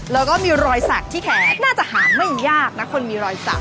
แล้วก็มีรอยสักที่แขนน่าจะหาไม่ยากนะคนมีรอยสัก